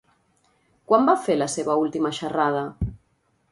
Quan va fer la seva última xerrada?